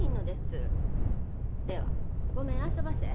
ではごめんあそばせ。